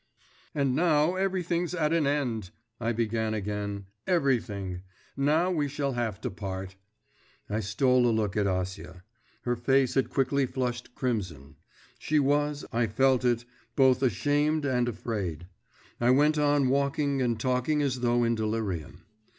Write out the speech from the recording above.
'And now everything's at an end!' I began again, 'everything. Now we shall have to part.' I stole a look at Acia.… Her face had quickly flushed crimson. She was, I felt it, both ashamed and afraid. I went on walking and talking as though in delirium.